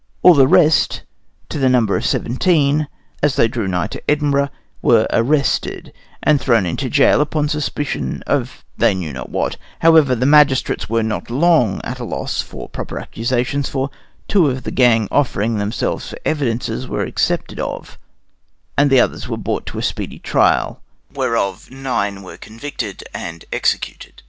All the rest, to the number of seventeen, as they drew nigh to Edinburgh, were arrested and thrown into gaol upon suspicion of they knew not what; however, the magistrates were not long at a loss for proper accusations, for two of the gang offering themselves for evidences were accepted of, and the others were brought to a speedy trial, whereof nine were convicted and executed.